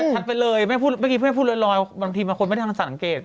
พูดชัดไปเลยเมื่อกี้เพื่อนพูดลอยบางทีมันควรไม่ได้ความสังเกต